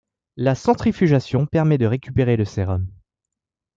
La centrifugation permet de récupérer le sérum.